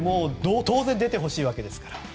当然、出てほしいわけです。